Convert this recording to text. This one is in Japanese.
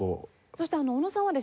そして小野さんはですね